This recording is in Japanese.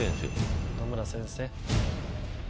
野村先生。